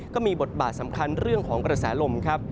ก็มีบทบาทสำคัญเรื่องของกระแสลมครับ